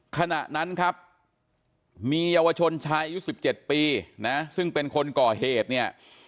ขณะนั้นครับมีเยาวชนชายอายุ๑๗ปีนะซึ่งเป็นคนก่อเหตุเนี่ย